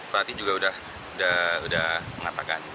pelatih juga sudah mengatakan